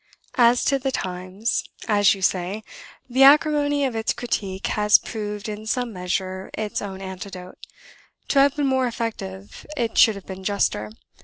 "As to the Times, as you say, the acrimony of its critique has proved, in some measure, its own antidote; to have been more effective, it should have been juster.